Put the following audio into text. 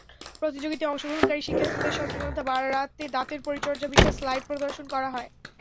প্রতিযোগিতায় অংশগ্রহণকারী শিক্ষার্থীদের সচেতনতা বাড়াতে দাঁতের পরিচর্যা বিষয়ে স্লাইড প্রদর্শন করা হয়।